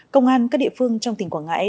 công an các địa phương trong tỉnh quảng ngãi